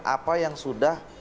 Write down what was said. apa yang sudah